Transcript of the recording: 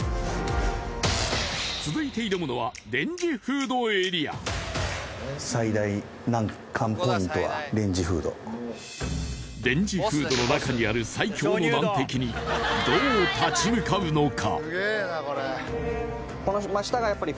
続いて挑むのはレンジフードエリアレンジフードの中にある最強の難敵にどう立ち向かうのか？